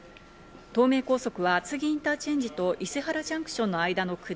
東名高速は厚木インターチェンジと伊勢原ジャンクションの間の下